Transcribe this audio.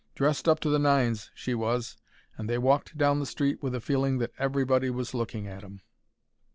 Dressed up to the nines she was, and they walked down the street with a feeling that everybody was looking at em.